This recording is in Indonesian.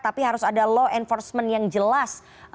tapi harus ada law enforcement yang jelas